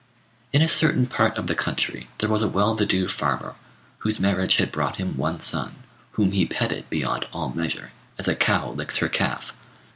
In a certain part of the country there was a well to do farmer, whose marriage had brought him one son, whom he petted beyond all measure, as a cow licks her calf.